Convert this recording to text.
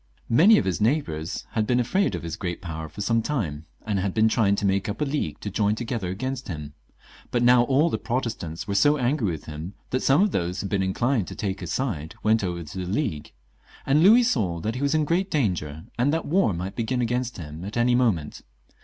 Many of his neighbours had been afraid of his great power for some time, and had been trying to make up a league to join to gether against him ; but now all the Protestants were so angry with him, that some of those who had been inclined to take his side went over to the League ; and Louis saw that he was in great danger, and that war might begin against him at any moment.